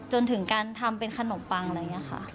จนถึงการทำเป็นขนมปังอะไรอย่างนี้ค่ะ